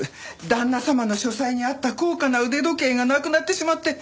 旦那様の書斎にあった高価な腕時計がなくなってしまって。